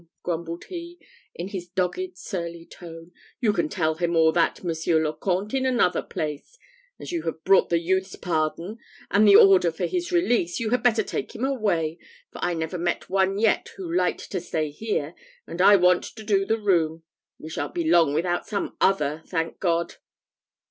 grumbled he, in his dogged, surly tone, "you can tell him all that, Monsieur le Comte, in another place. As you have brought the youth's pardon, and the order for his release, you had better take him away: for I never met one yet who liked to stay here, and I want to do the room. We shan't be long without some other, thank God!"